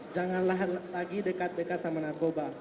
janganlah lagi dekat dekat sama narkoba